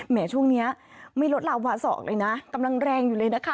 ช่วงนี้ไม่ลดลาวาสอกเลยนะกำลังแรงอยู่เลยนะคะ